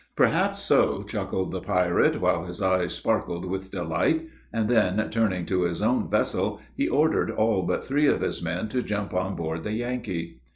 "Perhaps so," chuckled the pirate, while his eyes sparkled with delight. And then, turning to his own vessel, he ordered all but three of his men to jump on board the Yankee.